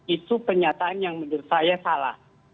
itu pernyataan yang menurut saya salah